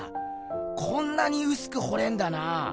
こんなにうすくほれんだなぁ。